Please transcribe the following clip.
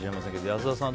安田さん